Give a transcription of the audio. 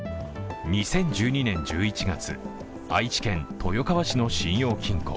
２０１２年１１月、愛知県豊川市の信用金庫。